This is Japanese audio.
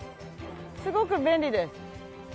すごく便利です。